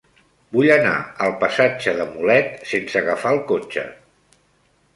Vull anar al passatge de Mulet sense agafar el cotxe.